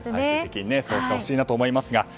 最終的にそうしてほしいなと思います。